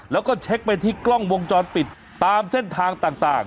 แล้วก็เช็คไปที่กล้องวงจรปิดตามเส้นทางต่าง